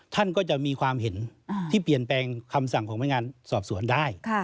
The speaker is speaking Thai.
ท่านก็จะมีความเห็นที่เปลี่ยนแปลงคำสั่งของพนักงานสอบสวนได้